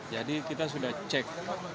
jadi kita sudah cek